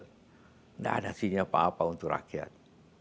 tidak ada sinya apa apa untuk rakyat